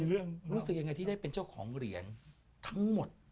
รู้สึกยังไงที่ได้เป็นเจ้าของเหรียญทั้งหมด